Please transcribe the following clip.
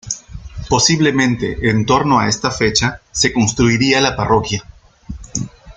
Posiblemente en torno a esta fecha se construiría la parroquia.